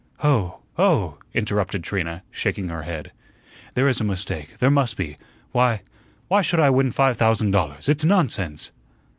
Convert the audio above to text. "Oh, oh!" interrupted Trina, shaking her head, "there is a mistake. There must be. Why why should I win five thousand dollars? It's nonsense!"